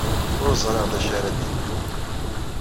Ur ẓriɣ d acu ara d-iniɣ.